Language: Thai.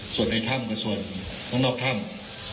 ส่วนในถ้ำกับส่วนนอกถ้ำ